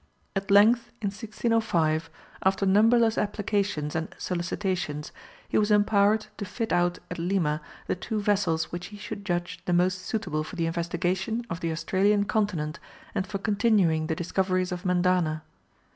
At length in 1605, after numberless applications and solicitations, he was empowered to fit out at Lima the two vessels which he should judge the most suitable for the investigation of the Australian continent and for continuing the discoveries of Mendana.